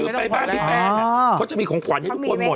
คือไปบ้านพี่แป้งเขาจะมีของขวัญให้ทุกคนหมด